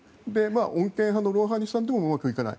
穏健派のロウハニさんでもうまくいかない。